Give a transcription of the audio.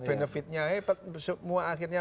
benefitnya hebat semua akhirnya